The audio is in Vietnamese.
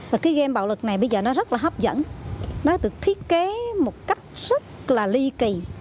và cái game bạo lực này bây giờ nó rất là hấp dẫn nó được thiết kế một cách rất là ly kỳ